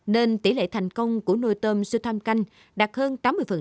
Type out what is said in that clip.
nên tỷ lệ thành công của nuôi tôm siêu thâm canh đạt hơn tám mươi